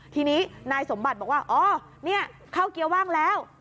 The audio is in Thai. ทีนี้นายสมบัติบอกว่าอ๋อนี่เข้าเกียร์ว่างแล้ว